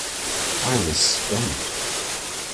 I was stunned.